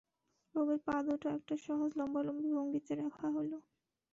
রোগীর পাদুটো একটা সহজ লম্বালম্বি ভঙ্গিতে রাখা হল।